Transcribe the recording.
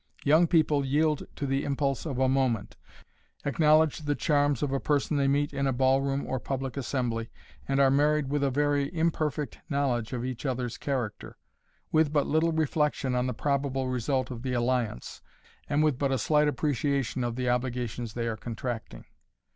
Young people yield to the impulse of a moment, acknowledge the charms of a person they meet in a ball room or public assembly, and are married with a very imperfect knowledge of each other's character, with but little reflection on the probable result of the alliance, and with but a slight appreciation of the obligations they are contracting.